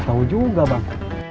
jauh juga bang